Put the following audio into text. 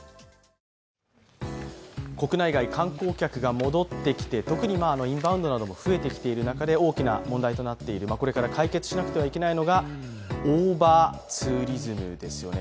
国内外、観光客が戻ってきて特にインバウンドなども増えてきている中で大きな問題となっている、これから解決しなくてはいけないのがオーバーツーリズムですよね。